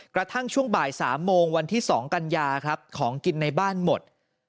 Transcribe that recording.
กระทั่งช่วงบ่าย๓โมงวันที่๒กันยาครับของกินในบ้านหมด